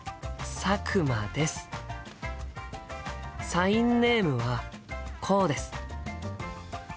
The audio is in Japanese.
サインネームはこうです。